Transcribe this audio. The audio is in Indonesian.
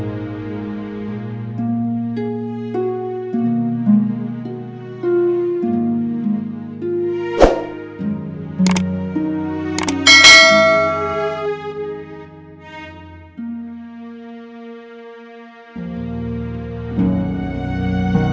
aku akan buat teh hangat ya ibu ya